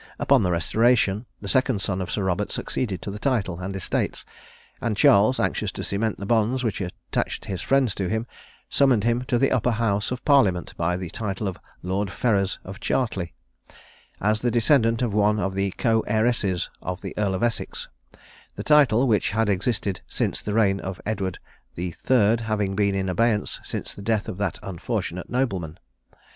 Upon the Restoration, the second son of Sir Robert succeeded to the title and estates; and Charles, anxious to cement the bonds which attached his friends to him, summoned him to the Upper House of Parliament by the title of Lord Ferrers of Chartley, as the descendant of one of the co heiresses of the Earl of Essex; the title, which had existed since the reign of Edward III., having been in abeyance since the death of that unfortunate nobleman.